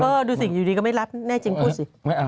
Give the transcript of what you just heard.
เออดูสิ่งอยู่ดีก็ไม่รับแน่จริงพูดสิไม่เอา